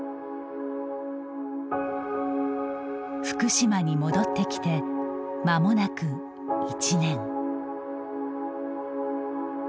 福島に戻ってきてまもなく１年。